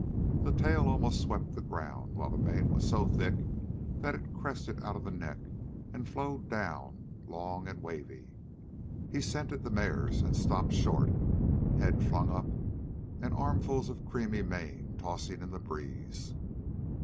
The tail almost swept the ground, while the mane was so thick that it crested out of the neck and flowed down, long and wavy. He scented the mares and stopped short, head flung up and armfuls of creamy mane tossing in the breeze.